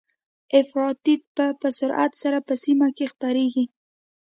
افراطيت به په سرعت سره په سیمه کې خپریږي